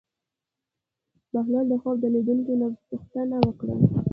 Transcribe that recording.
بهلول د خوب لیدونکي نه پوښتنه وکړه.